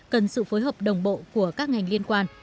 cần sự phối hợp đồng bộ của các ngành liên quan